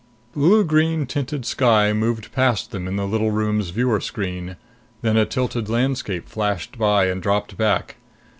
Blue green tinted sky moved past them in the little room's viewer screen; then a tilted landscape flashed by and dropped back.